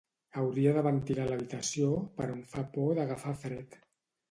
Hauria de ventilar l'habitació però em fa por d'agafar fred